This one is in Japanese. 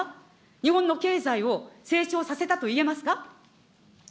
日本の経済を成長させたと言えますか。